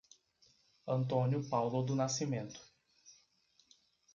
Antônio Paulo do Nascimento